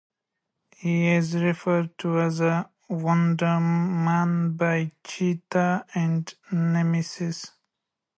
He is referred to as "Wonder Man" by Cheetah and Nemesis.